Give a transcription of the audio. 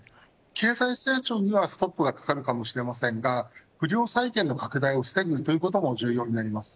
経済成長にはストップがかかるかもしれませんが不良債権の拡大を防ぐということも重要になります。